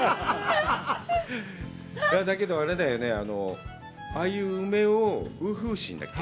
だけど、あれだよね、ああいう梅を、五福星だっけ？